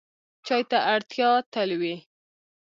چای ته اړتیا تل وي.